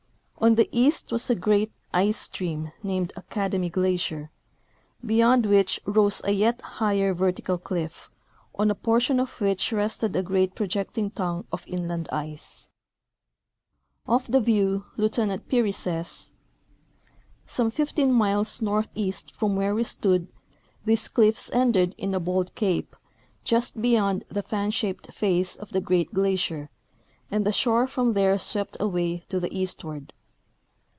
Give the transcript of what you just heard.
On the east was a great ice stream named Academy glacier, beyond which rose a 3''et higher vertical cliff, on a portion of which rested a great projecting tongue of inland ice. The mysterious eastern Arctic Ocean. 205 Of the view Lieutenant Peary says: "Some 15 miles north east from where we stood these cliffs ended in a bold cape, just beyond the fan shaped face of the great glacier, and the shore from there swept away to the eastward.